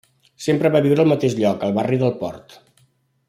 Sempre va viure al mateix lloc, el barri del port.